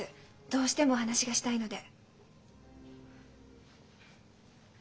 どうしてもお話がしたいので。